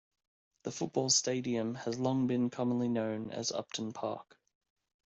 The football stadium has long been commonly known as Upton Park.